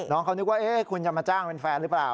น้องเขานึกว่าคุณจะมาจ้างเป็นแฟนหรือเปล่า